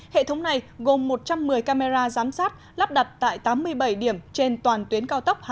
hệ thống này gồm một trăm một mươi camera giám sát lắp đặt tại tám mươi bảy điểm trên toàn tuyến